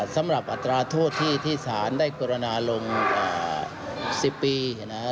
สำหรับอัตราโทษที่ที่สารได้กรณาลงอ่าสิบปีนะฮะ